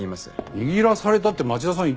握らされたって町田さんは言ってるんですよ。